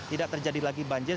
tidak terjadi lagi banjir